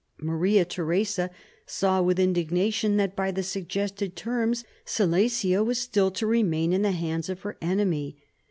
Maria Theresa saw with indignation that by the suggested terms Silesia was still to remain in the hands of her enemy.